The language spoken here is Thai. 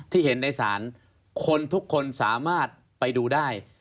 ที่เห็นในศาลคนทุกคนสามารถไปดูได้